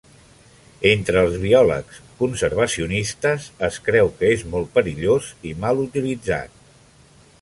Entre els biòlegs conservacionistes, es creu que és molt perillós i mal utilitzat.